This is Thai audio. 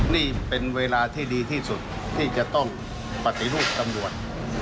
นี่เป็นเวลาที่ดีที่สุดที่จะต้องปฏิรูปตำรวจ